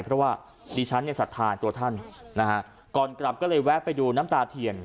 เพราะว่าดิฉันเนี่ยสัทธาตัวท่านนะฮะก่อนกลับก็เลยแวะไปดูน้ำตาเทียน